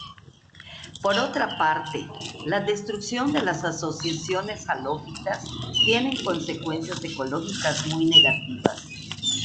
Por otra parte, la destrucción de las asociaciones halófitas tienen consecuencias ecológicas muy negativas.